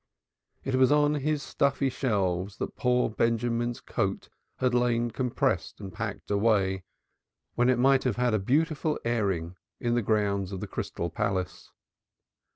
It was on his stuffy shelves that poor Benjamin's coat had lain compressed and packed away when it might have had a beautiful airing in the grounds of the Crystal Palace.